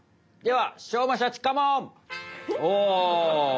ではおお。